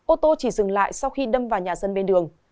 ô tô chỉ dừng lại sau khi đâm vào nhà dân bên đường